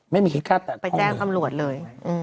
ไม่มีคิดฆ่าตัดของเลยไปแจ้งคำรวจเลย